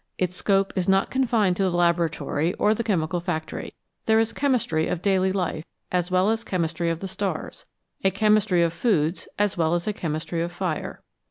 Its scope is not confined to the laboratory or the chemical factory. There is a chemistry of daily life as well as a chemistry of the stars ; a chemistry of foods as well as a chemistry of fire.